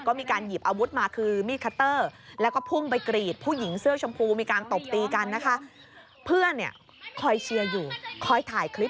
ก็มีการหยิบอาวุธมาคือมีดคัตเตอร์